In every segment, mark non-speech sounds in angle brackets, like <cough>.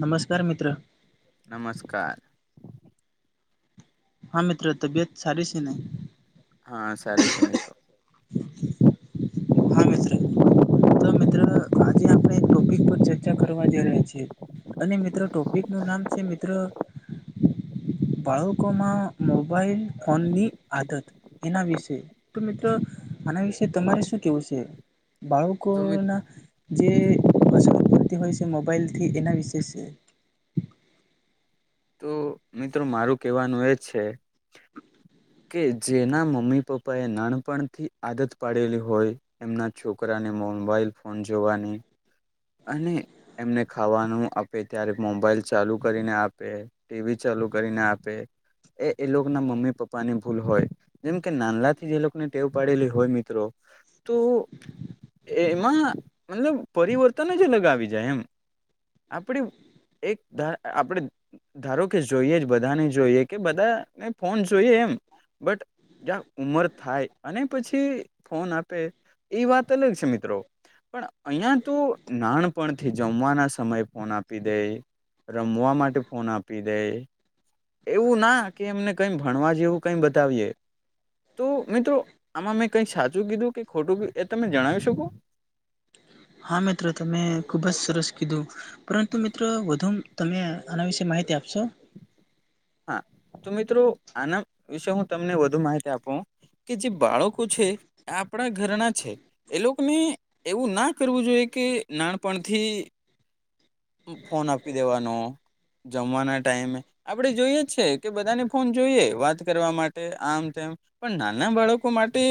નમસ્કાર મિત્ર. નમસ્કાર. હા મિત્ર તબિયત સારી છે? હા સારી છે. હા મિત્ર તો મિત્ર આજે આપણે એક ટોપિક <unintelligible> અને મિત્રો ટોપિક નું નામ છે મિત્ર બાળકોમાં મોબાઈલ ફોનની આદત. એના વિશે તો મિત્રો આના વિશે તમારે શું કેવું છે બાળક? તો લોકોના જે અસરો પડતી હોય છે મોબાઈલથી એના વિશે તો મિત્રો મારું કહેવાનું એ જ છે. કે જેના મમ્મી પપ્પાએ નાનપણથી આદત પાડેલી હોય. એમના છોકરાને મોબાઈલ ફોન જોવાની. અને એમને ખાવાનું આપે ત્યારે મોબાઈલ ચાલુ કરીને આપે. ટીવી ચાલુ કરીને આપે એ એ લોકો ના મમ્મી પપ્પા ની ભૂલ હોય. જેમ કે <inaudible> થી જે લોકોને ટેવ પાડેલી હોય મિત્રો તો એમાં મતલબ પરિવર્તન જ અલગ આવી જાય એમ. આપણી એક આપણે ધારો કે જોઈએ જ બધાને જોઈએ કે બધાને ફોન જોઈએ એમ બટ ઉમર થાય અને પછી ફોન આપે એ વાત અલગ છે મિત્રો. પણ અહીયા તો નાનપણથી જમવાના સમય ફોન આપી દે રમવા માટે ફોન આપી દે. એવું ના કે એમને કઈ ભણવા જેવું કઈ બતાવીએ. તો મિત્રો આમાં મેં કંઈ સાચું કીધું કે ખોટું કધું એ તમે જણાવી શકો? હા મિત્રો તમે ખુબ જ સરસ કીધું પરંતુ મિત્રો વધુ તમે આના વિશે માહિતી આપશો. હા તો મિત્રો આના વિશે હું તમને વધુ માહિતી આપું. કે જે બાળકો છે આપણા ઘરના છે. એ લોકોને એવું ના કરવું જોઈએ કે નાનપણથી ફોન આપી દેવાનો જમવાના ટાઈમે આપડે જોઈએ જ છે કે બધાને ફોન જોઈએ વાત કરવા માટે આમ તેમ પણ નાના બાળકો માટે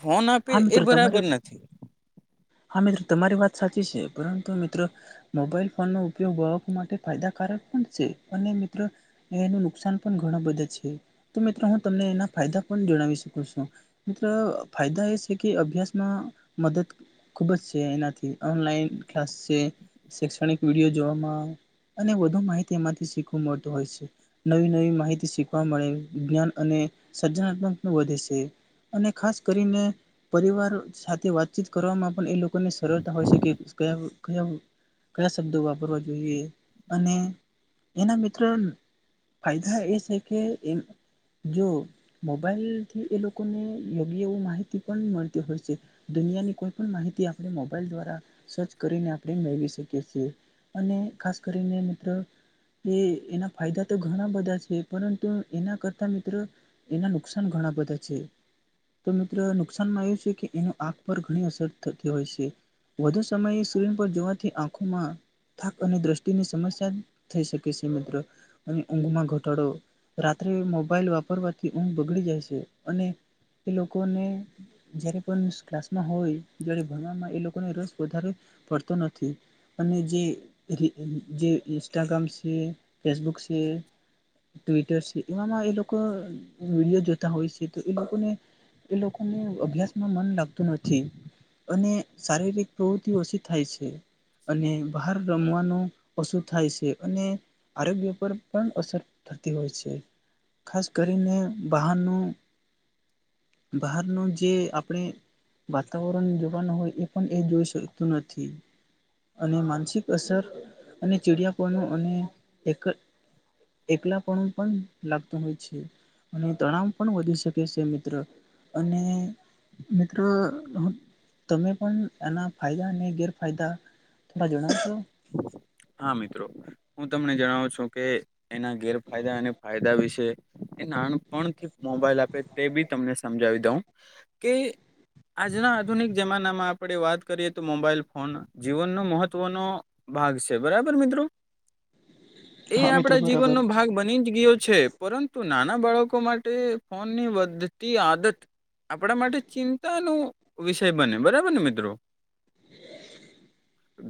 ફોન આપે હા એ મિત્રો તમારે બરાબર નથી. હા મિત્રો તમારી વાત સાચી છે પરંતુ મિત્રો મોબાઈલ ફોન નો ઉપયોગ માટે ફાયદાકારક પણ છે અને મિત્રો એનું નુકસાન પણ ઘણા બધા છે તો મિત્રો હું તમને એના ફાયદા પણ જણાવી શકું છું મિત્ર ફાયદા એ છે કે અભ્યાસમાં મદદ ખુબ જ છે એનાથી ઓનલાઈન ક્લાસ છે શૈક્ષણિક વિડીયો જોવામાં અને વધુ માહિતી એમાંથી શીખું મળતું હોય છે. નવી નવી માહિતી શીખવા મળે જ્ઞાન અને સર્જનાત્મક વધે છે. અને ખાસ કરીને પરિવાર સાથે વાતચીત કરવાવામાં. પણ એ લોકોને સરળતા હોય છે કે કયા કયા કયા શબ્દો વાપરવા જોઈએ અને એના મિત્રો ફાયદા એ છે કે એમ મોબાઈલ થી એ લોકોને યોગ્ય એવું માહિતી પણ મળતી હોય છે દુનિયાની કોઈ પણ માહિતી આપણે મોબાઈલ દ્વારા સર્ચ કરીને આપણે મેળવી શકીએ છીએ. અને ખાસ કરીને મિત્રો. એ એના ફાયદા તો ઘણા બધા છે પરંતુ એના કરતા મિત્રો એના નુકસાન ઘણા બધા છે. તો મિત્રો નુકસાનમાં એવું છે કે એનું આંખ પર ઘણી અસર થતી હોય છે. વધુ સમય સુરીન પર જોવાથી આંખોમાં થાક અને દ્રષ્ટિની સમસ્યા થઈ શકે છે મિત્રો. અને ઊંઘમાં ઘટાડો રાત્રે મોબાઈલ વાપરવાથી ઊંઘ બગડી જાય છે અને એ લોકોને જ્યારે પણ ક્લાસમાં હોય. જય ભણવામાં એ લોકોને રસ વધારે પડતો નથી. અને જે ઇન્સ્ટાગ્રામ છે ફેસબુક છે. ટ્વિટર છે એવામાં એ લોકો વિડીયો જોતા હોય છે તો એ લોકોને એ લોકોને અભ્યાસમાં મન લાગતું નથી. અને શારીરિક પ્રવૃત્તિ ઓછી થાય છે. અને બહાર રમવાનું ઓછું થાય છે અને આરોગ્ય પર પણ અસર થતી હોય છે. ખાસ કરીને બહારનું. બહારનું જે આપણે વાતાવરણ જો હોય એ પણ એ જોઈ શકતું નથી. અને માનસિક અસર અને ચિડિયાપણ અને એક એકલા પણણ પણ લાગતું હોય છે. અને તણાવ પણ વધી શકે છે મિત્ર અને મિત્ર તમે પણ એના ફાયદા અને ગેરફાયદારા જણાવશો. હા મિત્રો હું તમને જણાવું છું કે એના ગેરફાયદા અને ફાયદા વિશે એ નાનપણથી મોબાઈલ આપે તે બી તમને સમજાવી દઉં કે. આજના આધુનિક જમાનામાં આપણે વાત કરીએ તો મોબાઈલ ફોન જીવનનો મહત્વનો ભાગ છે બરાબર મિત્રો એ હા મિત્ર આપડા બરાબર જીવનનો છે ભાગ બ જ ગયો છે પરંતુ નાના બાળકો માટે ફોનની વધતી આદત આપણા માટે ચિંતા ન વિષય બને બરાબર ને મિત્રો.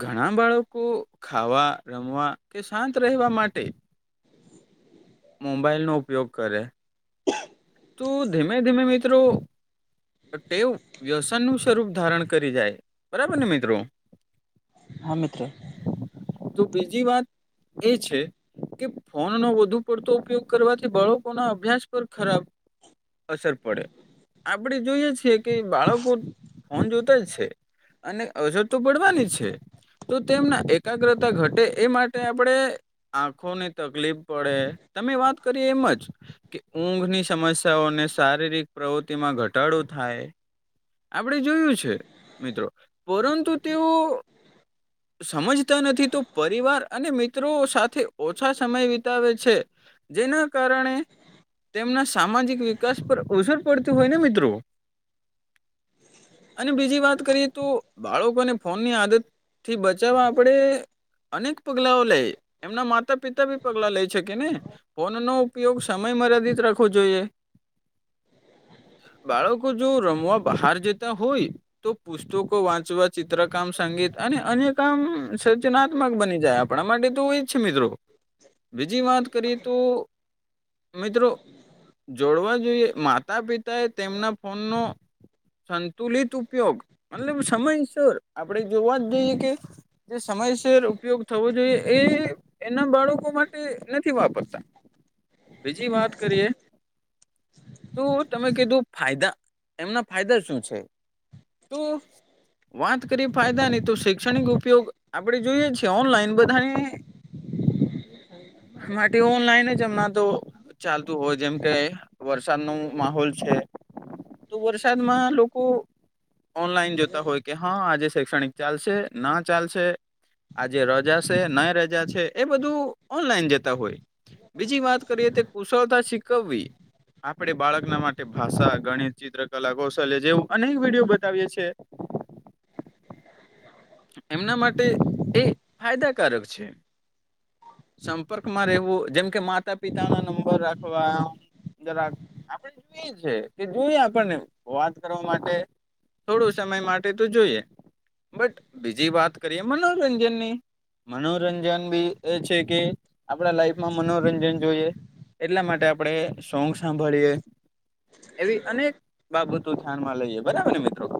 ઘણા બાળકો ખાવા રમવા કે શાંત રહેવા માટે મોબાઈલનો ઉપયોગ કરે. <inaudible> તું ધીમે ધીમે મિત્રો. તો તે વ્યસન નું સ્વરૂપ ધારણ કરી જાય બરાબર ને મિત્રો? હા મિત્ર. તો બીજી વાત એ છે કે ફોન નો વધુ પડતો ઉપયોગ કરવાથી બાળકો ના અભ્યાસ પર ખરાબ અસર પડે. આપડે જોઈએ છીએ કે બાળકો ફોન જોતા જ છે અને અજર તો પડવાની છે. તો તેમના એકાગ્રતા ઘટે એ માટે આપડે આંખોને તકલીફ પડે તમે વાત કરી એમ જ કે ઊંઘની સમસ્યાઓને શારીરિક પ્રવૃતિ માં ઘટાડો થાય આપડે જોયું છે મિત્રો. પરંતુ તેઓ હ સમજતા નથી તો પરિવાર અને મિત્રો સાથે ઓછા સમય વિતાવે છે. જેના કારણે તેમના સામાજિક વિકાસ પર અસર પડતી હોય ને મિત્રો. અને બીજી વાત કરીએ તો બાળકોને ફોનની આદત થી બચાવા આપડે અનેક પગલાઓ લે. એમના માતા પિતા ભી પગલા લઈ શકે ને ફોન નો ઉપયોગ સમય મર્યાદિત રખ વું જોઈએ. હ બાળકો જો રમવા બહાર જતા હોય તો પુસ્તકો વાંચવા ચિત્રકામ સંગીત અને અન્ય કામ સર્જનાત્મક બની જાય આપ ણા માટે તો એ જ છે મિત્રો બીજી વાત કરીએ તો મિત્રો જોડવા જોઈએ માતા પિતા એ તેમના ફોનનો સંતુલિત ઉપયોગ અને સમયસર આપડે જોવા જ જઈએ કે જે સમયસર ઉપયોગ થવો જોઈએ એ એના બાળકો માટે નથી વાપરતા. બીજી વાત કરીએ તો તમે કીધું ફાયદા એમના ફાયદા શું છે તો વાત કરીએ ફાયદા ની તો શૈક્ષણિક ઉપયોગ આપડે જોઈએ છીએ ઓનલાઈન બધા એ માટે ઓનલાઈન જ હમણાં તો ચાલતું હોય જેમ કે વરસાદ નું માહોલ છે તો વરસાદમાં લોકો ઓનલાઈન જોતા હોય કે હા આજે શૈક્ષણિક ચાલશે ના ચાલશે આજે રજા છે ના રજા છે એ બધું ઓનલાઈન જતા હોય. બીજી વાત કરીએ તે કુશળતા શીખવવી આપડે બાળકના માટે ભાષા ગણિત ચિત્ર કલા કૌશલ્ય જેવ અનેક વિડીયો બતાવીએ છીએ. એમના માટે એ ફાયદા કારક છે. સંપર્કમાં રહેવું જેમ કે માતા પિતા ના નંબર રાખવા જે રાખ આપડે એ છે કે જોઈએ આપણ ને વાત કરવા માટે થોડો સમય માટે તો જોઈએ બટ બીજી વાત કરીએ મનોરંજનની મનોરંજન બી એ છે કે આપડા લાઈફમાં મનોરંજન જોઈએ એટલા માટે આપડે સોંગ સાંભળીએ એવી અનેક બાબતું ધ્યાનમાં લઈએ બરાબર ને મિત્રો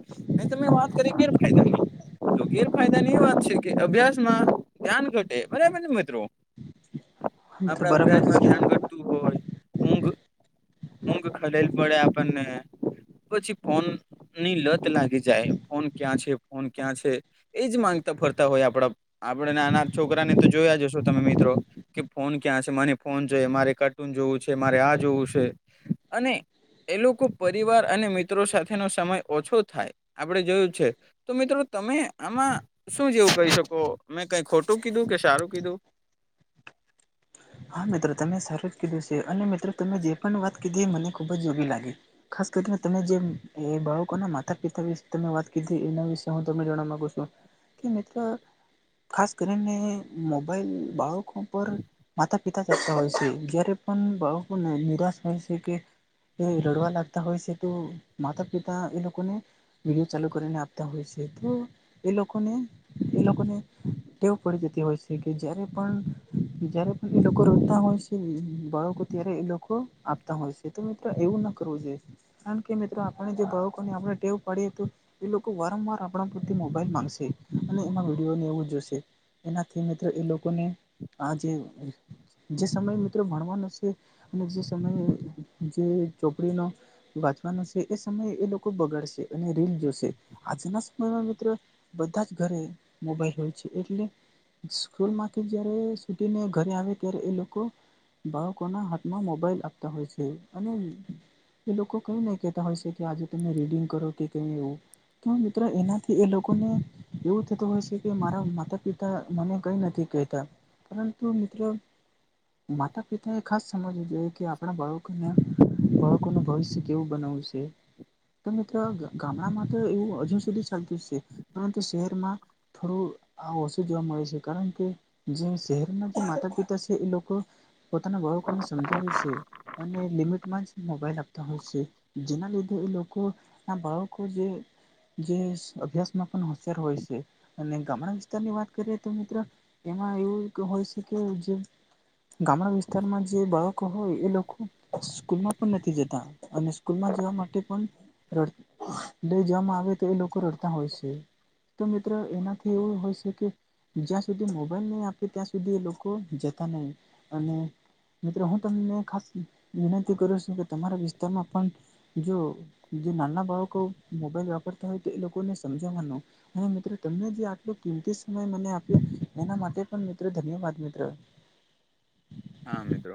ન તમે વાત કરી ફાયદ નહીં. તો ગેરફાયદા ની એ વાત છે કે અભ્યાસ માં ધ્યાન ઘટે બરાબર ને મિત્રો. મિત્ર આપડા બરાબર <unintelligible> છે ધ્યાન ઘટતું હોય ઊંઘ ઊંઘ ખલેડ પડે આપણને. પછી ફોનની લત લાગી જાય ફોન ક્યાં છે ફોન ક્યાં છે એજ માંગતા ફરતા હોય આપડા આપડે આના છોકરાને તો જોયા હશો તમે મિત્રો કે ફોન ક્યાં છે મને ફોન જોઈ મારે કાર્ટૂન જોવું છે મારે આ જોવું છે અને એ લોકો પરિવાર અને મિત્રો સાથેનો સમય ઓછો થાય. આપડે જોયું છે તો મિત્રો તમે આમાં શું જેવું કહી શકો મેં કઈ ખોટું કીધું કે સારું કીધું? હા મિત્રો તમે સારું જ કીધું છે. અને મિત્રો તમે જે પણ વાત કીધી એ મને ખુબ જ નવી લાગી. ખાસ કરીને તમે જે બાળકોના માતા પિતા વિશે તમે વાત કરીધી એ ના વિશે હું તમને જાણવા માંગુ છું. કે મિત્ર ખાસ કરીને મોબાઈલ બાળકો પર માતા પિતા જતા હોય છે જયારે પણ નિરાશ હોય છે કે એ રડવા લાગતા હોય છે, તો માતા પિતા એ લોકોને વિડીયો ચાલુ કરીને આપતા હોય છે, તો એ લોકોને એ લોકોને ટેવ પડી જતી હોય છે, કે જ્યારે પણ જ્યારે એ લોકો રોતા હોય છે, બાળકો ત્યારે એ લોકો આપતા હોય છે, તો મિત્રો એવું ના કરવું જોઈએ. કારણ કે, મિત્રો આપણને જે બાળકોને આપણે ટેવ પાડીએ તો એ લોકો વારંવાર આપણા પાયેથી મોબાઈલ માંગશે અને એમાં વિડીયો નેવું જોશે. એનાથી મિત્રો એ લોકોને આ જે જે સમયે મિત્રો ભણવાનો છે, અને જે સમયે જે ચોપડીનો વાંચવાનું છે, એ સમયે એ લોકો બગાડશે અને રીલ જોશે, આજના સમયમાં મિત્રો બધા જ ઘરે મોબાઈલ હોય છે, એટલે સ્કૂલ માંથી જયારે સુૂટીને ઘરે આવે ત્યારે એ લોકો બાળકોના હાથમાં મોબાઈલ આપતા હોય છે, અને એ લોકો કઈ નહી કહેતા હોય છે, કે આજે તમે રીડિંગ કરો કે કઈ એવું તો મિત્રો એનાથી એ લોકો ને એવું થતું હોય છે, કે મારા માતા પિતા મને કઈ નથી કહેતા. પરંતુ મિત્ર માતા પિતા એ ખાસ સમજવવુ જોઈએ કે આપણા બાળકોને બાળકો નુ ભવિષ્ય કેવું બનાવવું છે,? તો મિત્રો ગામડામાં તો એવું હજુ સુધી ચાલતું છે, પરંતુ શહેરમાં થોડું આ ઓછું જોવા મળે છે કારણ કે જે શહેરના માતા પિતા છે, એ લોકો પોતાના બાળકોને સમજાવે છે, અને લિમિટમાં જ મોબાઈલ આપતા હોય છે, જેના એ લોકો આ બાળકો છે, જો જે અભ્યાસમાં પણ હોશિયાર હોય છે, અને ગામડા વિસ્તારની વાત કરીએ તો મિત્ર એમાં એવું હોય છે, કે જે ગામડા વિસ્તારમાં જે બાળકો હોય એ લોકો સ્કૂલમાં પણ નથી જતા. અને સ્કૂલ માં જવા માટે પણ રડ લઈ જવામાં આવે તો એ લોકો રડતા હોય છે, તો મિત્ર એનાથી એવું હોય છે, કે જ્યાં સુધી મોબાઈલ નહી આપે ત્યાં સુધી એ લોકો જતા નહી. અને મિત્રો હું તમને ખાસ વિનંતી કરું છું કે, તમારા વિસ્તારમાં પણ જો જે નાના બાળકો મોબાઈલ વાપરતા હોય તો એ લોકોને સમજાવવાનો. અને મિત્રો તમને જે આટલો કિમતી સમય મને આપ્યો એના માટે પણ મિત્રો ધન્યવાદ મિત્રો. હા મિત્ર!